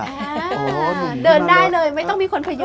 โอ้โหเดินได้เลยไม่ต้องมีคนผ่ายยุง